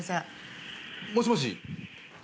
もしもしあ